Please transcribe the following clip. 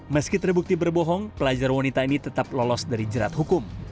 meski terbukti berbohong pelajar wanita ini tetap lolos dari jerat hukum